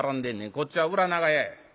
こっちは裏長屋や。